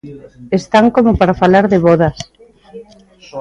¡Están como para falar de vodas!